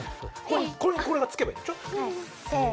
これにこれがつけばいいんでしょ？